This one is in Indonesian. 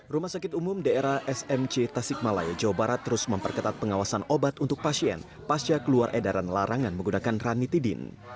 rumah sakit umum daerah smc tasikmalaya jawa barat terus memperketat pengawasan obat untuk pasien pasca keluar edaran larangan menggunakan ranitidin